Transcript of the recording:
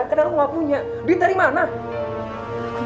kadang aku gak punya